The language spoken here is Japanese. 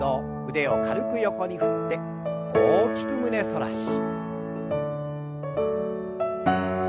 腕を軽く横に振って大きく胸反らし。